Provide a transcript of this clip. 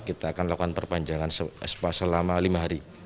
kita akan lakukan perpanjangan selama lima hari